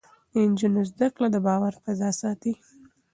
د نجونو زده کړه د باور فضا ساتي.